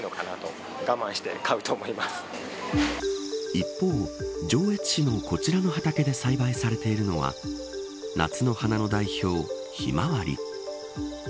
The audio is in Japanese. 一方、上越市のこちらの畑で栽培されているのは夏の花の代表、ひまわり。